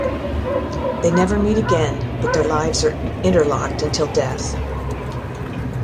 They never meet again, but their lives are interlocked until death.